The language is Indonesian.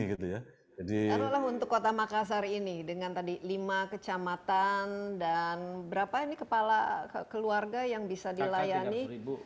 karena untuk kota makassar ini dengan tadi lima kecamatan dan berapa ini kepala keluarga yang bisa dilayani